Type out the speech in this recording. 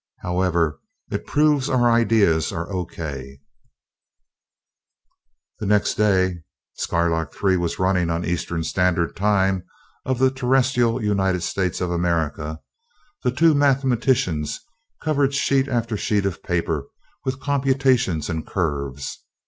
However, it proves our ideas are O. K." The next day Skylark III was running on Eastern Standard Time, of the Terrestrial United States of America the two mathematicians covered sheet after sheet of paper with computations and curves.